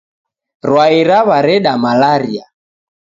Rwai raw'areda malaria